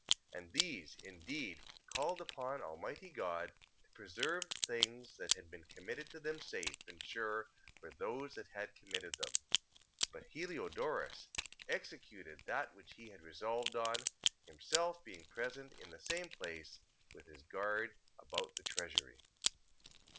3:22. And these indeed called upon almighty God, to preserve the things that had been committed to them safe and sure for those that had committed them. 3:23. But Heliodorus executed that which he had resolved on, himself being present in the same place with his guard about the treasury.